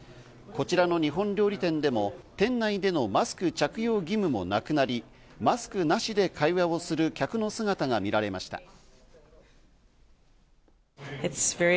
こちらの日本料理店でも店内でのマスク着用義務もなくなり、マスクなしで会話をする客の姿が見られました。